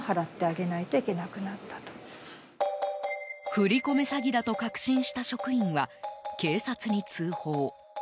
振り込め詐欺だと確信した職員は、警察に通報。